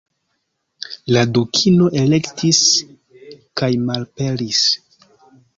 La Dukino elektis, kajmalaperis!